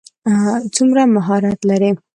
څومره مهارت لري.